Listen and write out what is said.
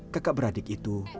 kekak beradik itu